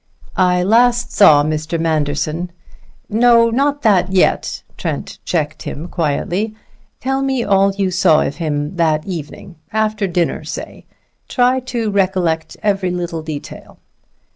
"I last saw Mr. Manderson " "No, not that yet," Trent checked him quietly. "Tell me all you saw of him that evening after dinner, say. Try to recollect every little detail."